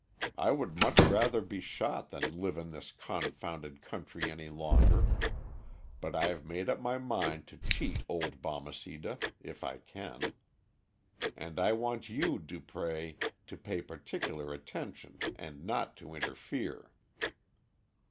I would much rather be shot than live in this confounded country any longer. But I have made up my mind to cheat old Balmeceda if I can, and I want you, Dupré, to pay particular attention, and not to interfere."